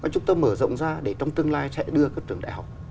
chúng ta mở rộng ra để trong tương lai sẽ đưa các trường đại học